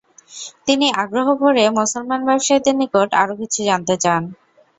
তিনি আগ্রহ ভরে মুসলমান ব্যাবসায়ীদের নিকট আরো কিছু জানতে চান।